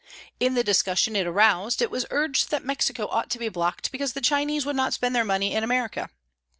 In the discussion it aroused it was urged that Mexico ought to be blocked because the Chinese would not spend their money in America.